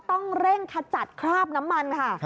ต้องเร่งขจัดคราบน้ำมันค่ะ